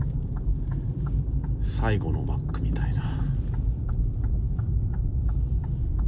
最後のマックみたいな。